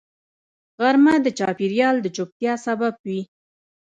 غرمه د چاپېریال د چوپتیا سبب وي